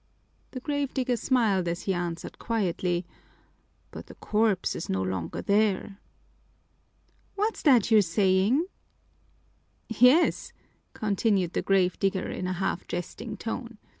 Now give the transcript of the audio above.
The grave digger smiled as he answered quietly, "But the corpse is no longer there." "What's that you're saying?" "Yes," continued the grave digger in a half jesting tone.